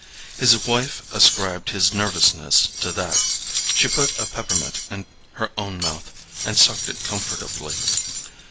His wife ascribed his nervousness to that. She put a peppermint in her own mouth and sucked it comfortably.